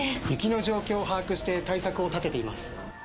雪の状況を把握して対策を立てています。